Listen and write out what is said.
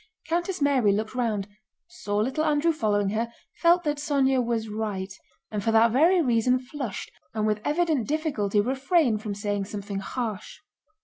Countess Mary looked round, saw little Andrew following her, felt that Sónya was right, and for that very reason flushed and with evident difficulty refrained from saying something harsh.